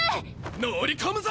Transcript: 乗り込むぞ！